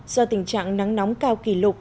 do tình trạng nắng nóng cao kỷ lục